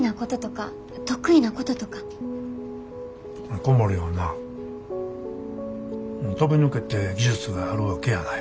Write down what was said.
小森はなぁ飛び抜けて技術があるわけやない。